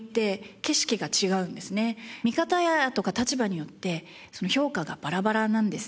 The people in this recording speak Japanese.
見方や立場によってその評価がバラバラなんですね。